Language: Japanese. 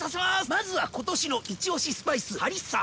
まずは今年のイチオシスパイスハリッサ！